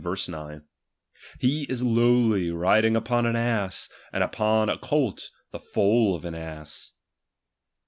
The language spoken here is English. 9): He is lowly, riding upon an ass, and upon a colt the foal of an ass.